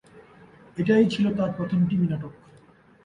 এটাই ছিল তার প্রথম টিভি নাটক।